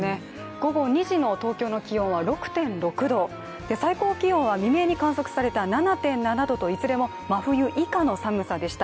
午後３時の東京都気温は６．６度最高気温は午前に記録して７．７度といずれも真冬以下の寒さでした。